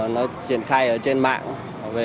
triển khai trên mạng